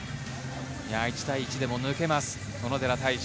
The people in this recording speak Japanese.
１対１でも抜けます、小野寺太志。